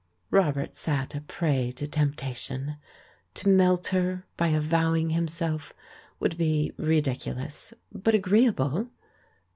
Robert sat a prey to tempation. To melt her by avowing himself would be ridiculous, but agreeable.